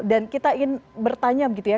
dan kita ingin bertanya gitu ya